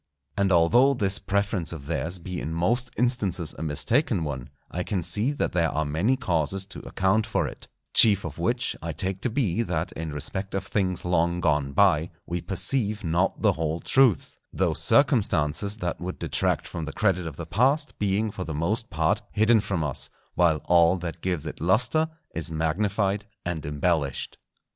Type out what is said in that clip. And although this preference of theirs be in most instances a mistaken one, I can see that there are many causes to account for it; chief of which I take to be that in respect of things long gone by we perceive not the whole truth, those circumstances that would detract from the credit of the past being for the most part hidden from us, while all that gives it lustre is magnified and embellished.